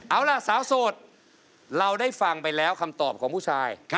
เอาล่ะสาวโสดเราได้ฟังไปแล้วคำตอบของผู้ชาย